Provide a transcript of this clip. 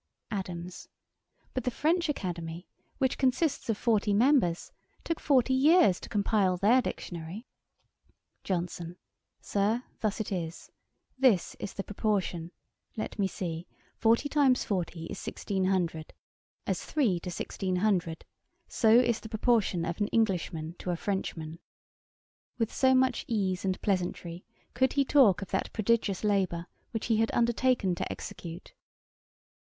ADAMS. But the French Academy, which consists of forty members, took forty years to compile their Dictionary. JOHNSON. Sir, thus it is. This is the proportion. Let me see; forty times forty is sixteen hundred. As three to sixteen hundred, so is the proportion of an Englishman to a Frenchman.' With so much ease and pleasantry could he talk of that prodigious labour which he had undertaken to execute.